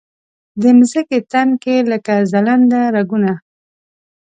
د مځکې تن کې لکه ځلنده رګونه